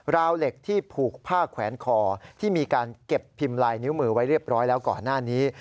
ราวเหล็กที่ผูกผ้าแขวนคอที่มีการเก็บพิมพ์ลายนิ้วมือไว้เรียบร้อยแล้วก่อนหน้านี้